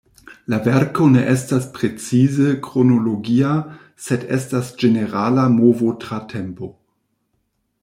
La verko ne estas precize kronologia, sed estas ĝenerala movo tra tempo.